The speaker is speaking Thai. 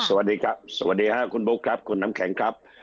สวัสดีครับสวัสดีค่ะคุณบุ๊คครับคุณน้ำแข็งครับ